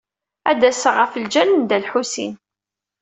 Ad d-aseɣ ɣef ljal n Dda Lḥusin.